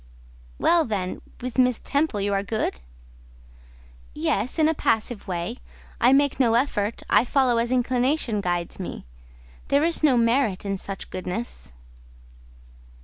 "Well, then, with Miss Temple you are good?" "Yes, in a passive way: I make no effort; I follow as inclination guides me. There is no merit in such goodness."